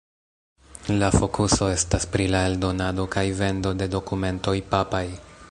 La fokuso estas pri la eldonado kaj vendo de dokumentoj papaj.